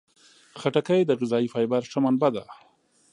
خټکی د غذايي فایبر ښه منبع ده.